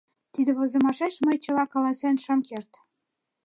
Тиде возымашеш мый чыла каласен шым керт.